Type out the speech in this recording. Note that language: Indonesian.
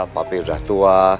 papi udah tua